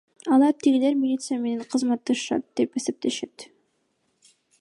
Алар тигилер милиция менен кызматташышат деп эсептешет.